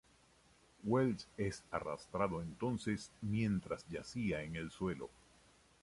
Welch es arrastrado entonces mientras yacía en el suelo.